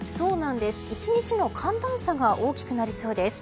１日の寒暖差が大きくなりそうです。